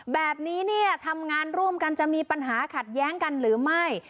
แบบนี้เนี่ยทำงานร่วมกันจะมีปัญหาขัดแย้งกันหรือไม่